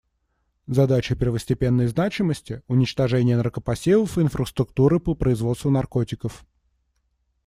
Задача первостепенной значимости — уничтожение наркопосевов и инфраструктуры по производству наркотиков.